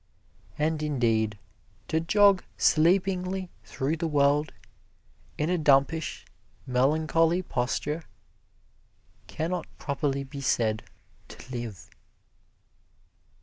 And indeed, to jog sleepingly through the world, in a dumpish, melancholy posture, can not properly be said to live.